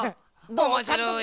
おもしろい！